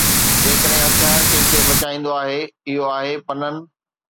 جيڪڏھن ھٿيار ڪنھن کي بچائيندو آھي، اھو آھي پنن